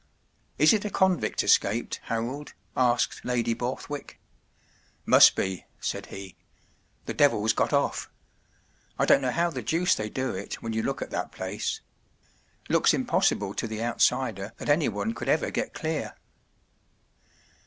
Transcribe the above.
“ Is it a convict escaped, Harold ? ” asked Lady Borthwick. “ Must be,” said he. “ The devil’s got off. I don’t know how the deuce they do it when you look at that place. Looks impossible to the outsider that anyone could ever get clear.